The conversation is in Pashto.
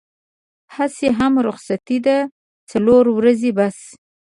هسې هم رخصتي ده څلور ورځې بس.